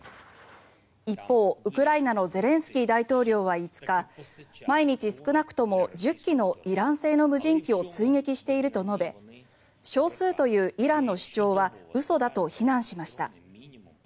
一方、ウクライナのゼレンスキー大統領は５日毎日少なくとも１０機のイラン製の無人機を追撃していると述べ少数というイランの主張は嘘だと非難しました。